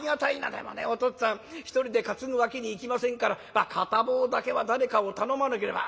でもねお父っつぁん１人で担ぐわけにいきませんから片棒だけは誰かを頼まなければ」。